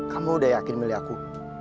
kamu udah yakin milih aku